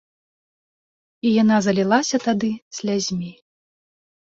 І яна залілася тады слязьмі.